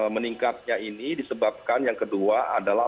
meningkatnya ini disebabkan yang kedua adalah